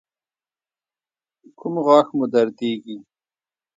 کوم غاښ مو دردیږي؟